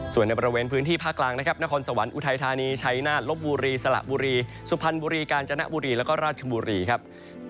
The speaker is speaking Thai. ส่วนในบริเวณพื้นที่ภาคกลางนะครับนครสวรรค์อุทัยธานีชัยนาฏลบบุรีสละบุรีสุพรรณบุรีกาญจนบุรีแล้วก็ราชบุรีครับ